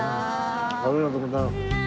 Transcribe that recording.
ありがとうございます。